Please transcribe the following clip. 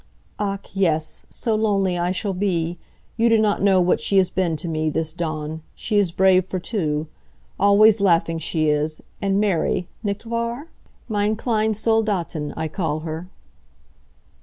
"Ach, yes. So lonely I shall be. You do not know what she has been to me, this Dawn. She is brave for two. Always laughing she is, and merry, nicht wahr? Meine kleine Soldatin, I call her.